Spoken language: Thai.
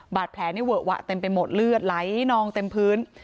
บาดแผลนี่เวอะวะเต็มไปหมดเลือดไหลนองเต็มพื้น